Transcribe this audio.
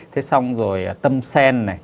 thế xong rồi tâm sen này